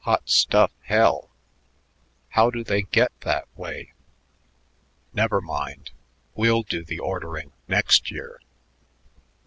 "Hot stuff, hell! How do they get that way?" "Never mind; we'll do the ordering next year."